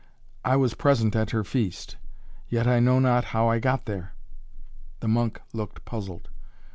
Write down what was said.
"I was present at her feast. Yet I know not how I got there!" The monk looked puzzled.